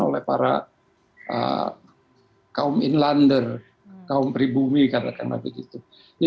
oleh para kaum inlander kaum pribumi katakanlah begitu